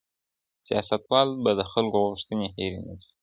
سياستوال به د خلکو غوښتني هېري نکړي.